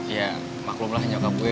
ya maklumlah nyokap gue